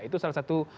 itu salah satu